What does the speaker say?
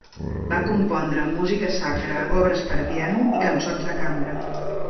Va compondre música sacra, obres per a piano i cançons de cambra.